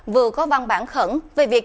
vừa có văn bản khẩn về việc